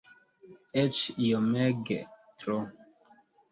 Eĉ iomege tro.